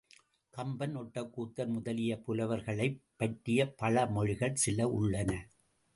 கம்பன், ஒட்டக்கூத்தர் முதலிய புலவர்களைப் பற்றிய பழமொழிகள் சில உள்ளன.